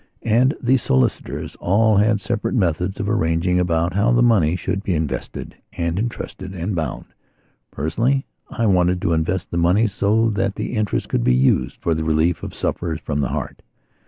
And the solicitors all had separate methods of arranging about how the money should be invested and entrusted and bound. Personally, I wanted to invest the money so that the interest could be used for the relief of sufferers from the heart.